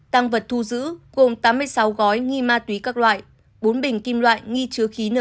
tăng vật thu giữ gồm tám mươi sáu gói nghi ma túy các loại bốn bình kim loại nghi chứa khí n